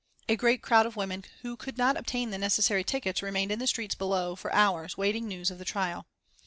A great crowd of women who could not obtain the necessary tickets remained in the streets below for hours waiting news of the trial.